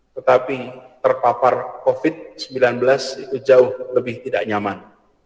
tetapi terpapar covid sembilan belas itu jauh lebih tidak nyaman